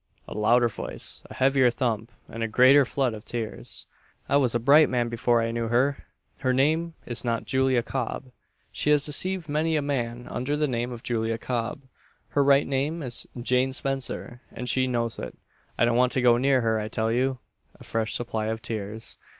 (A louder voice, a heavier thump, and a greater flood of tears.) "I was a bright man before I knew her! Her name is not Julia Cob. She has deceived many a man under the name of 'Julia Cob.' Her right name is Jane Spencer! and she knows it. I don't want to go near her, I tell you!" (A fresh supply of tears.)